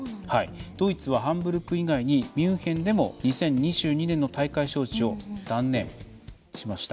ドイツはハンブルク以外にミュンヘンでも２０２２年の大会招致を断念しました。